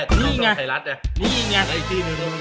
นี่ไง